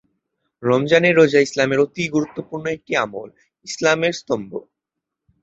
রমজানের রোজা ইসলামের অতি গুরুত্বপূর্ণ একটি আমল; ইসলামের স্তম্ভ।